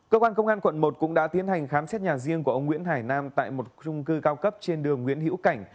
cơ quan công an quận một cũng đã tiến hành khám xét nhà riêng của ông nguyễn hải nam tại một trung cư cao cấp trên đường nguyễn hữu cảnh